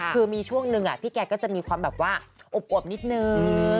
คือมีช่วงหนึ่งพี่แกก็จะมีความแบบว่าอวบนิดนึง